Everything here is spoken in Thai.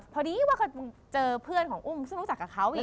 พอดีว่าเขาเจอเพื่อนของอุ้มซึ่งรู้จักกับเขาอีก